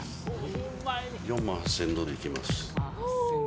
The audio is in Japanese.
４万８０００ドルいきます。